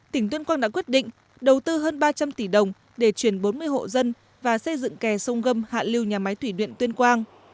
tỉnh tuyên quang đã quyết định đầu tư hơn ba trăm linh tỷ đồng để chuyển bốn mươi hộ dân và xây dựng kè sông gâm hạ lưu nhà máy thủy điện tuyên quang